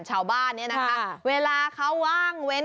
ชาวบ้านเนี่ยนะคะเวลาเขาว่างเว้น